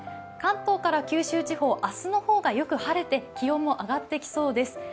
関東から九州地方、明日の方がよく晴れて気温も上がってきそうです。